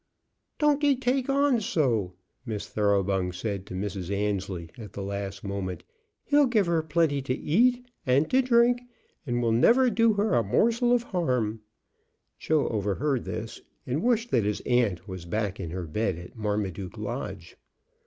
"Dont'ee take on so," Miss Thoroughbung said to Mrs. Annesley at the last moment. "He'll give her plenty to eat and to drink, and will never do her a morsel of harm." Joe overheard this, and wished that his aunt was back in her bed at Marmaduke Lodge.